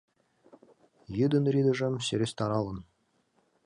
Йӱдын рӱдыжым сӧрастаралын.